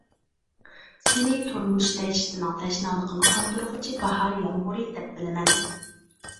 سېنى تۇرمۇش دەشتىنىڭ تەشنالىقىنى قاندۇرغۇچى باھار يامغۇرى دەپ بىلىمەن.